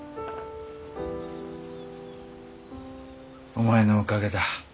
お前のおかげだ。